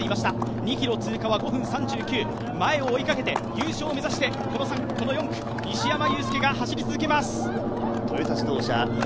２ｋｍを通過は５分３９、前を追いかけて優勝を目指して４区西山雄介が走り続けます。